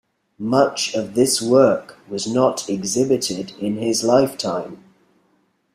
Much of this work was not exhibited in his lifetime.